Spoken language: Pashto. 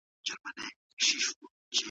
ده د احساساتو کنټرول زده کړی و.